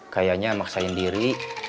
kayaknya maksain diri